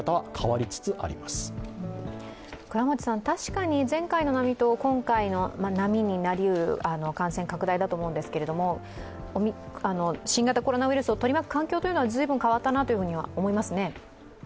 確かに前回の波と今回の波になりうる感染拡大だと思うんですけれども、新型コロナウイルスを取り巻く環境は随分変わったなとは思いますね。